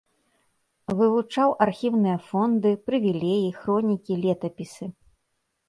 Вывучаў архіўныя фонды, прывілеі, хронікі, летапісы.